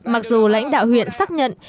mặc dù lãnh đạo huyện xác nhận